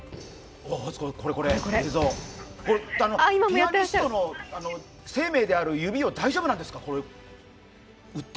これ、ピアニストの生命である指を大丈夫なんですか、打って。